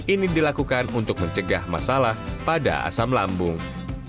ini dilakukan untuk mencegah masalah pada asam lambung